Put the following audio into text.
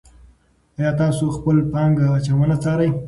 آیا تاسو خپله پانګه اچونه څارئ.